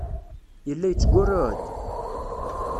Yella yettgurruɛ-d.